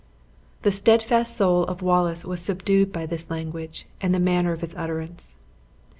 The steadfast soul of Wallace was subdued by this language, and the manner of its utterance.